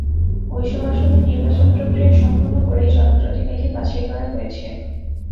ওই সব আসনে নির্বাচন প্রক্রিয়া সম্পন্ন করেই জনপ্রতিনিধি বাছাই করা হয়েছে।